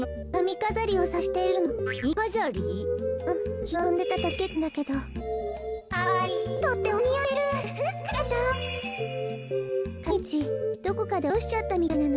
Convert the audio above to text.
かえりみちどこかでおとしちゃったみたいなの。